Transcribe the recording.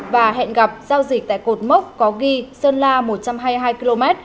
và hẹn gặp giao dịch tại cột mốc có ghi sơn la một trăm hai mươi hai km